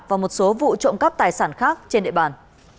và một số vụ trộm cắp tài sản khác trên địa bàn